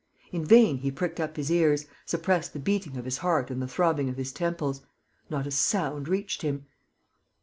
In vain, he pricked up his ears, suppressed the beating of his heart and the throbbing of his temples: not a sound reached him.